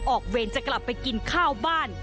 เวรจะกลับไปกินข้าวบ้าน